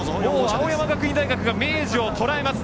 青山学院大学が明治を捉えます。